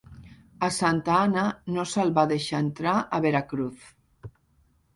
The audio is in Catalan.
A Santa Anna no se'l va deixar entrar a Veracruz.